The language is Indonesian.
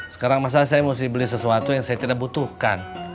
sekarang masalah saya mesti beli sesuatu yang saya tidak butuhkan